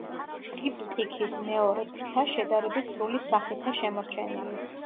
ტრიპტიქის მეორე ფრთა შედარებით სრული სახითა შემორჩენილი.